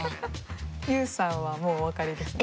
ＹＯＵさんはもうお分かりですか？